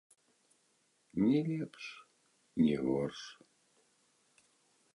Ні лепш, ні горш.